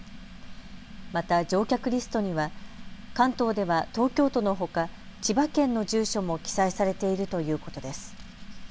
また乗客リストには関東では東京都のほか千葉県の住所も記載されているということです。